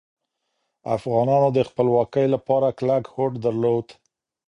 افغانانو د خپلواکۍ لپاره کلک هوډ درلود.